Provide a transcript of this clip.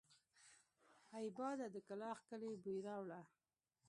اې باده د کلاخ کلي بوی راوړه!